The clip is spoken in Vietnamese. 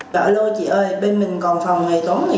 vợ lô chị ơi bên mình còn phòng ngày chín cuối tuần này không chị